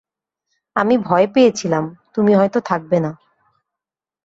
আমি ভয় পেয়েছিলাম, তুমি হয়তো থাকবে না।